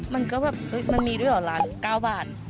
มันก็แบบมันมีด้วยเหรอล้าน๙บาท